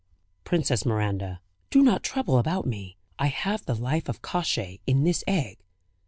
"Princess Miranda, do not trouble about me. I have the life of Kosciey in this egg."